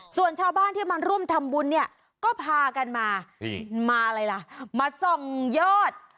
ส่วนชาวบ้านที่มาร่วมทำบุญเนี่ยก็พากันมามาอะไรล่ะมาส่องยอด